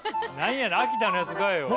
秋田のやつ買えよ。